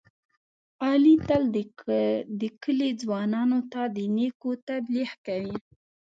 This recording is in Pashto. علي تل د کلي ځوانانو ته د نېکو تبلیغ کوي.